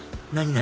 何？